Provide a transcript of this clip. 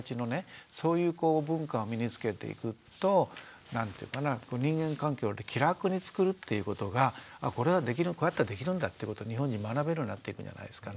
そういう文化を身につけていくと何ていうかな人間関係を気楽につくるっていうことがこれはこうやったらできるんだっていうことを日本人学べるようになっていくんじゃないですかね。